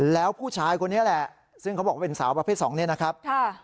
แล้วผู้ชายคนนี้แหละซึ่งเขาบอกเป็นสาวประเภทสองเนี่ยนะครับ